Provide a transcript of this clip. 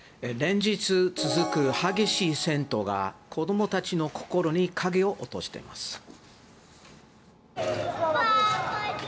連日続く激しい戦闘が子供たちの心に影を落としています。